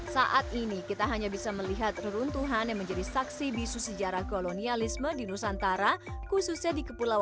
saat ini kita hanya bisa melihat reluntuhan yang menjadi saksi bisu sejarah kolonialisme di nusantara dan juga penyakit penular